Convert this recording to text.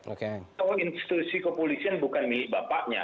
atau institusi kepolisian bukan milik bapaknya